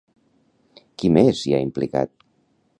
Qui més hi ha implicat?